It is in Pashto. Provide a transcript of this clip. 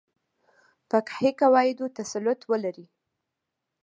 فقهي قواعدو تسلط ولري.